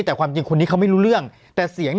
แต่ความจริงคนนี้เขาไม่รู้เรื่อง